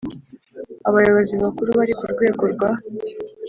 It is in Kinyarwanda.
Abayobozi Bakuru bari ku rwego rwa